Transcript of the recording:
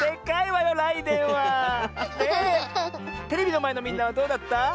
テレビのまえのみんなはどうだった？